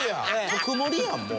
特盛りやんもう。